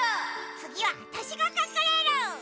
つぎはわたしがかくれる！